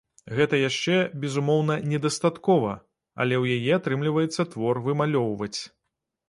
Гэта яшчэ, безумоўна, недастаткова, але у яе атрымліваецца твор вымалёўваць.